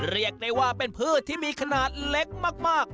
เรียกได้ว่าเป็นพืชที่มีขนาดเล็กมาก